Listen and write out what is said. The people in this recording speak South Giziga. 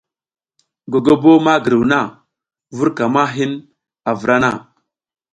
Gogobo ma giruw na, vur ka ma hin a vra na.